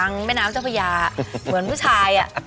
แม่น้ำเจ้าพญาเหมือนผู้ชาย